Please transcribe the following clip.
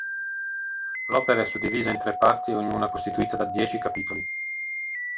L'opera è suddivisa in tre parti, ognuna costituita da dieci capitoli.